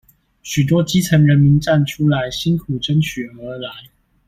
許多基層人民站出來辛苦爭取而來